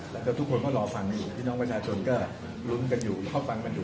แล้วก็ทุกคนก็รอฟังกันอยู่พี่น้องประชาชนก็ลุ้นกันอยู่เขาฟังกันอยู่